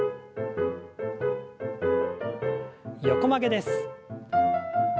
横曲げです。